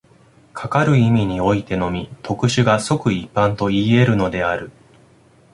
かかる意味においてのみ、特殊が即一般といい得るのである。